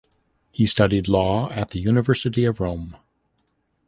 He studied Law at the University of Rome.